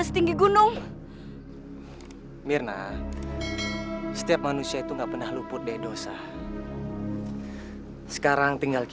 tampak approve cantik